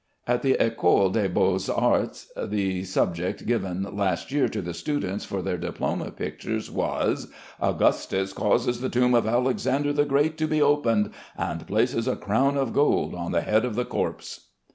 At the Ecole des Beaux Arts the subject given last year to the students for their diploma pictures was "Augustus Causes the Tomb of Alexander the Great to be Opened, and Places a Crown of Gold on the Head of the Corpse."